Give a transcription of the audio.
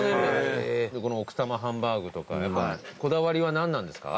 この奥多摩ハンバーグとかこだわりは何なんですか？